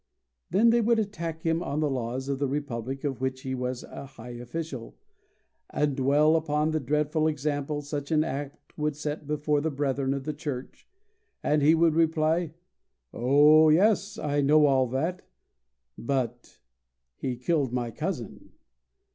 Then they would attack him on the laws of the republic of which he was a high official, and dwell upon the dreadful example such an act would set before the brethren of the church, and he would reply, "Oh, yes; I know all that; but he killed my cousin."